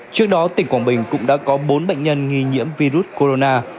trước đó tỉnh quảng bình cũng đã có bốn bệnh nhân nghi nhiễm virus corona